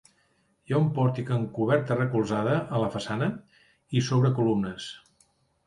Hi ha un pòrtic amb coberta recolzada a la façana i sobre columnes.